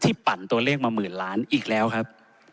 ปั่นตัวเลขมาหมื่นล้านอีกแล้วครับ